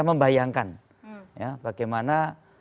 membayangkan ya bagaimana